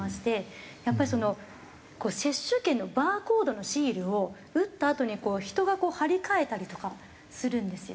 やっぱり接種券のバーコードのシールを打ったあとに人が貼り替えたりとかするんですよ。